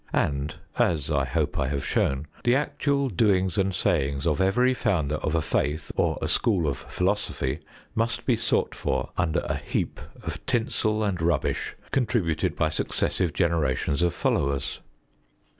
And as I hope I have shown the actual doings and sayings of every founder of a Faith or a school of philosophy must be sought for under a heap of tinsel and rubbish contributed by successive generations of followers.